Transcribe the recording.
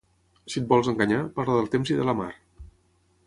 Si et vols enganyar, parla del temps i de la mar.